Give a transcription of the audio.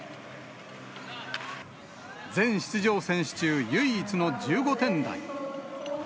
全出場選手中、唯一の１５点台。